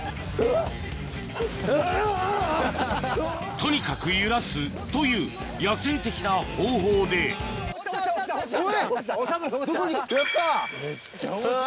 とにかく揺らすという野性的な方法でやった！